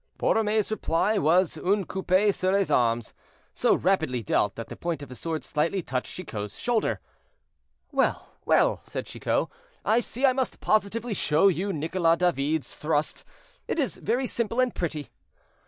Borromée's reply was "un coupé sur les armes," so rapidly dealt that the point of his sword slightly touched Chicot's shoulder. "Well, well," said Chicot, "I see I must positively show you Nicolas David's thrust. It is very simple and pretty."